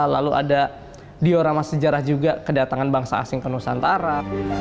lalu ada diorama sejarah juga kedatangan bangsa asing ke nusantara